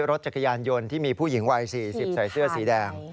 รถจักรยานยนต์ที่มีผู้หญิงวัย๔๐ใส่เสื้อสีแดง